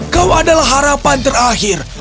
kau adalah harapan terakhir